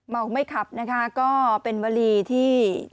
ไม่ขับนะคะก็เป็นวลีที่